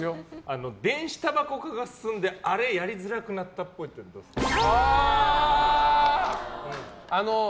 電子たばこ化が進んであれ、やりづらくなったっぽいというのはどうですか？